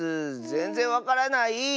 ぜんぜんわからない！